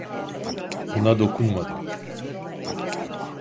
Ona dokunmadım.